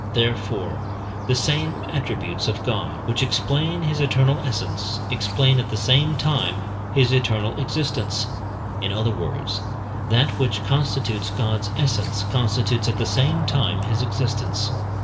Therefore the same attributes of God which explain his eternal essence, explain at the same time his eternal existence in other words, that which constitutes God's essence constitutes at the same time his existence.